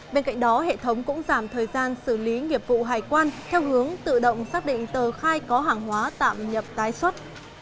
bên cạnh đó hệ thống cũng giảm thời gian xử lý nghiệp vụ hải quan theo hướng tự động xác định tờ khai có hàng hóa tạm nhập tái xuất